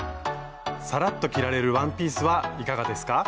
さらっと着られるワンピースはいかがですか？